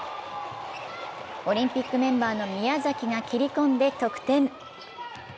オリンピックメンバーの宮崎が切り込んで得点。